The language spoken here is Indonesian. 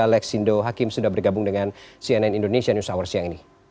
lexindo hakim sudah bergabung dengan cnn indonesia news hour siang ini